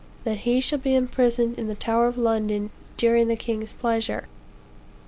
That he shall be imprisoned in the tower of London, during the king's pleasure.